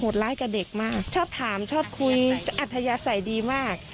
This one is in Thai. ร้ายกับเด็กมากชอบถามชอบคุยอัธยาศัยดีมาก